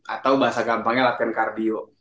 atau bahasa gampangnya latihan kardio